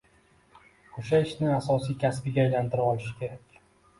Oʻsha ishni asosiy kasbiga aylantira olishi kerak.